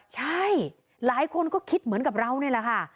ใช่หลายคนก็คิดเหมือนกับเรานี่แหละค่ะ